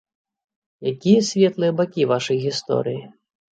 Якія светлыя бакі вашай гісторыі?